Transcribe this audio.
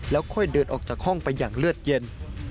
แล้วค่อยเดินออกจากห้องไปอย่างเลือดเย็น